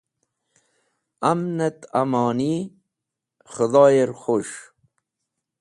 Amnẽt amoni k̃hẽdhoyẽr khus̃h.